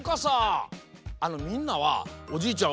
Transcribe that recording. みんなはおじいちゃん